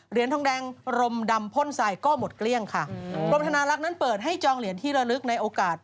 ทองแดงรมดำพ่นทรายก็หมดเกลี้ยงค่ะกรมธนาลักษณ์นั้นเปิดให้จองเหรียญที่ระลึกในโอกาส